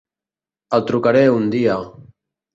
El trucaré un dia.